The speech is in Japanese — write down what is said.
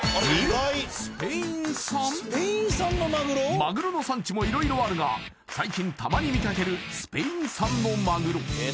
マグロの産地も色々あるが最近たまに見かけるスペイン産のマグロ